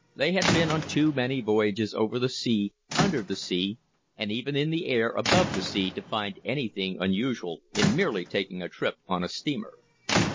They had been on too many voyages over the sea, under the sea and even in the air above the sea to find anything unusual in merely taking a trip on a steamer.